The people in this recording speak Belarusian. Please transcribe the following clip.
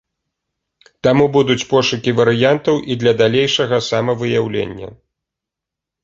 Таму будуць пошукі варыянтаў і для далейшага самавыяўлення.